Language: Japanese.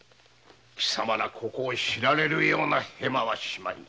貴様らここを知られるようなへまはしまいな。